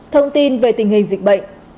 thông tin về tình hình dịch bệnh